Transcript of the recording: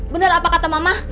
bener apa kata mama